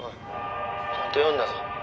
「ちゃんと読んだぞ」